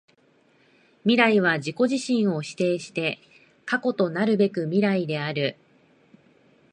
未来は自己自身を否定して過去となるべく未来である。